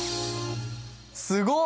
すごっ！